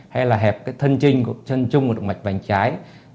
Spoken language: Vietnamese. hay là hẹp cái thân trinh của chân trung của động mạch vành trái